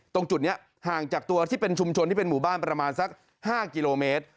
ตรงจุดนี้ห่างจากตัวที่เป็นชุมชนที่เป็นหมู่บ้านประมาณสัก๕กิโลเมตร